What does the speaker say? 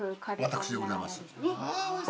私でございます。